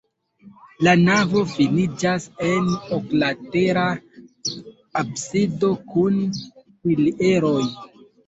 La navo finiĝas en oklatera absido kun pilieroj.